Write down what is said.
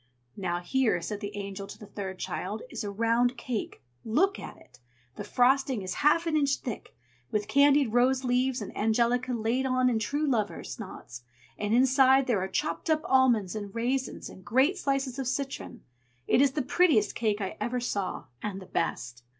"Now here," said the Angel to the third child, "is a round cake. Look at it! the frosting is half an inch thick, with candied rose leaves and angelica laid on in true lovers' knots; and inside there are chopped up almonds, and raisins, and great slices of citron. It is the prettiest cake I ever saw, and the best."